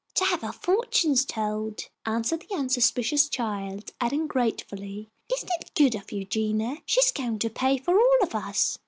"To have our fortunes told," answered the unsuspicious child, adding, gratefully, "Isn't it good of Eugenia? She is going to pay for all of us."